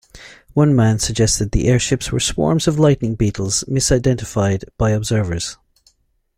One man suggested the airships were swarms of lightning beetles misidentified by observers.